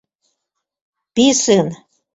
Писын!